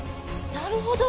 なるほど。